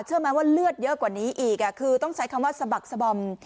เชื่อไหมว่าเลือดเยอะกว่านี้อีกคือต้องใช้คำว่าสะบักสบอม